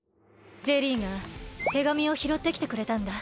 ジェリーが手紙をひろってきてくれたんだ。